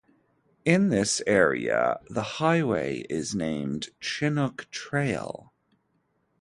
In this area, the highway is named Chinook Trail.